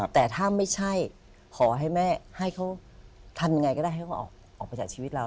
แต่ถ้าไม่ใช่ขอให้แม่ให้เขาทำยังไงก็ได้ให้เขาออกไปจากชีวิตเรา